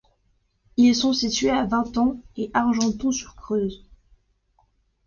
Ils sont situés à Vatan et Argenton-sur-Creuse.